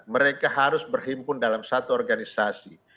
mereka harus berhimpun dalam satu organisasi